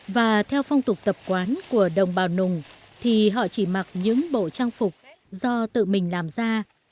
và theo phong tục tập quán của đồng bào nùng thì họ chỉ mặc những bộ trang phục do tự mình làm ra